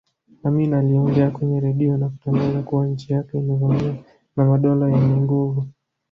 Amin aliongea kwenye redio na kutangaza kuwa nchi yake imevamiwa na madola yenye nguvu